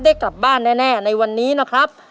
ได้กลับบ้านแน่ในวันนี้นะครับ